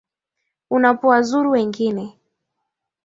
Unapowazuru wengine